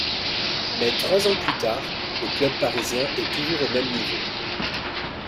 Mais trois ans plus tard, le club parisien est toujours au même niveau.